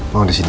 mama disini ya